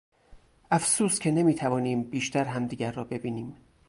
افسوس که نمیتوانیم بیشتر همدیگر را ببینیم.